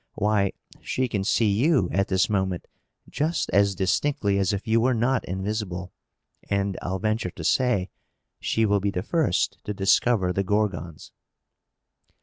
Why, she can see you, at this moment, just as distinctly as if you were not invisible; and I'll venture to say, she will be the first to discover the Gorgons."